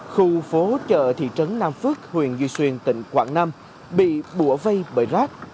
khu phố chợ thị trấn nam phước huyện duy xuyên tỉnh quảng nam bị bùa vây bởi rác